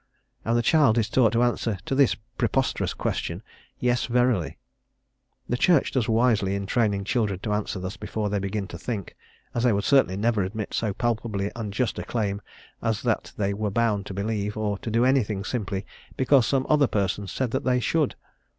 And the child is taught to answer to this preposterous question, "Yes, verily." The Church does wisely in training children to answer thus before they begin to think, as they would certainly never admit so palpably unjust a claim as that they were bound to believe or to do anything simply because some other persons said that they should.